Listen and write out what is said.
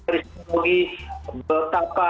dari psikologi betapa